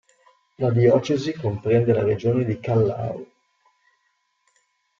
La diocesi comprende la regione di Callao.